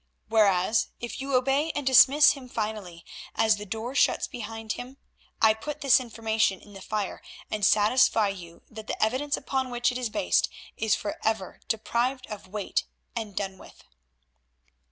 Whereas if you obey and dismiss him finally, as the door shuts behind him I put this Information in the fire and satisfy you that the evidence upon which it is based is for ever deprived of weight and done with."